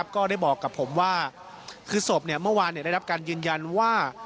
ก็ได้บอกกับผมว่าคือศพเมื่อวานได้รับการยืนยันว่า